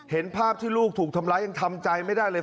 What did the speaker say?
เห็นภาพที่ลูกถูกทำร้ายยังทำใจไม่ได้เลย